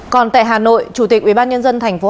còn tại hà nội chủ tịch ubnd tp hà nội